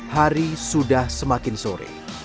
hari sudah semakin sore